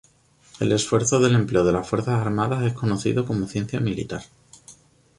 El estudio del empleo de las fuerzas armadas es conocido como ciencia militar.